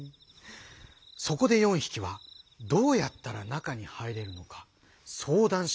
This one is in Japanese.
そこで４匹はどうやったら中に入れるのか相談しました。